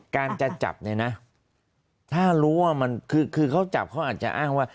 การจะจับเนี่ยนะถ้ารู้ว่ามันคือเขาจับเขาอาจจะอ้างว่า